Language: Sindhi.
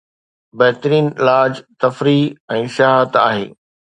بهترين علاج تفريح ۽ سياحت آهي